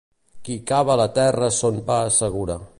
Qui cava la terra son pa assegura.